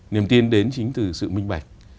niềm tin đến chính từ sự minh bạch